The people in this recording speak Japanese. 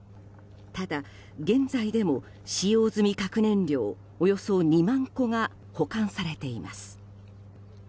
ただ、現在でも使用済み核燃料およそ２万個が保管されています。